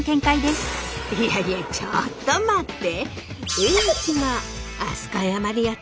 いやいやちょっと待って。